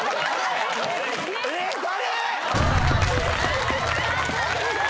えっ誰？